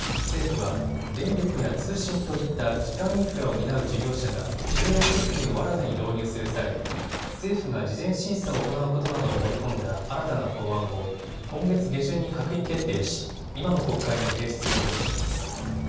政府は電力や通信といった基幹インフラを担う事業者が重要設備を新たに導入する際、政府が事前審査を行うことなどを盛り込んだ新たな法案を今月下旬に閣議決定し、今の国会に提出する方針です。